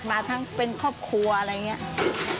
มาทั้งเป็นครอบครัวอะไรอย่างนี้